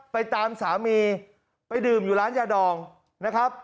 ไปตามสามีไปดื่มอยู่ร้านยาดองนะครับ